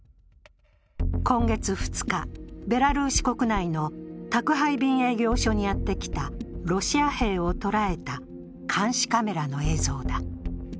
今月２日、ベラルーシ国内の宅配便営業所にやってきたロシア兵を捉えた監視カメラの映像だ。